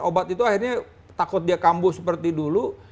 obat itu akhirnya takut dia kambuh seperti dulu